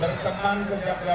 nah itu kan practical